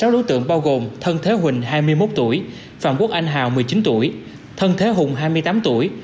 sáu đối tượng bao gồm thân thế huỳnh hai mươi một tuổi phạm quốc anh hào một mươi chín tuổi thân thế hùng hai mươi tám tuổi